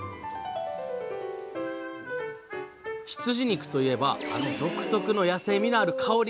羊肉といえばあの独特の野性味のある香り！